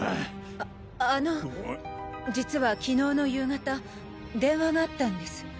ああの実はきのうの夕方電話があったんです。